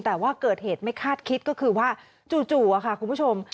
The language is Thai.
แต่ว่าเกิดเหตุไม่คาดคิดก็คือว่าจู่ค่ะคุณผู้ชม